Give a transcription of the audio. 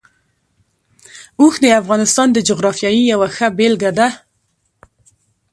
اوښ د افغانستان د جغرافیې یوه ښه بېلګه ده.